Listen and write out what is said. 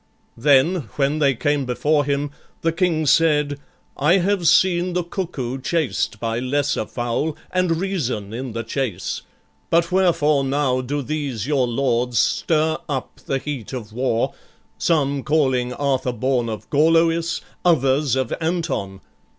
Then, when they came before him, the King said, "I have seen the cuckoo chased by lesser fowl, And reason in the chase: but wherefore now Do these your lords stir up the heat of war, Some calling Arthur born of Gorloïs, Others of Anton?